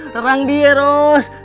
terang dia ros